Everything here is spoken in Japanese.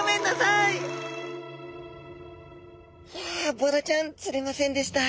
いやボラちゃん釣れませんでした。